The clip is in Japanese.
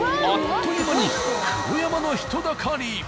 あっという間に黒山の人だかり。